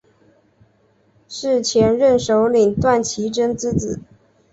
是前任首领段乞珍之子。